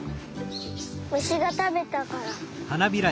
むしがたべたから。